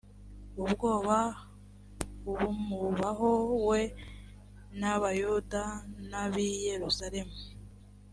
ubwoba bumubaho we n’abayuda n‘ab’ i yerusalemu